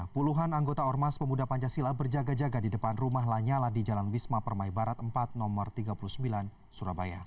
puluhan anggota ormas pemuda pancasila berjaga jaga di depan rumah lanyala di jalan wisma permai barat empat no tiga puluh sembilan surabaya